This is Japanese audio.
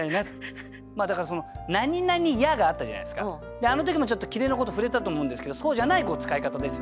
であの時もちょっと切れのこと触れたと思うんですけどそうじゃない使い方ですよね。